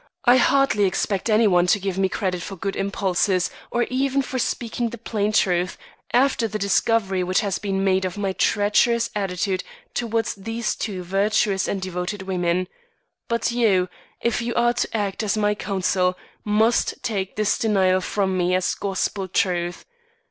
I hardly expect any one to give me credit for good impulses or even for speaking the plain truth after the discovery which has been made of my treacherous attitude towards these two virtuous and devoted women. But you if you are to act as my counsel must take this denial from me as gospel truth.